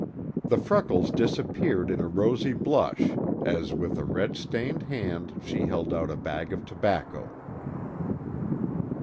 The freckles disappeared in a rosy blush as with a red stained hand she held out a bag of tobacco.